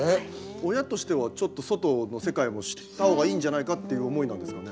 親としてはちょっと外の世界も知ったほうがいいんじゃないかっていう思いなんですかね。